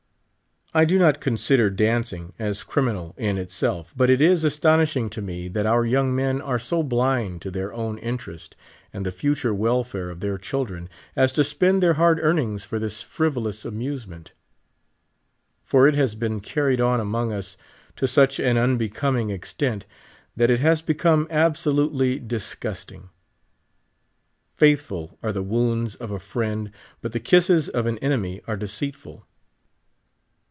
I do not consider dancing as criminal in itself, but it is astonishing to me that our young men are so blind to their own interest and the future welfare of their children as to spend their hard earnings for this frivolous amuse ment ; for it has been carried on among us to such an unbecoming extent that it has become absolutely disgust ing. " Faithful are the wounds of a friend, but the kisses of an enem)^ are deceitful."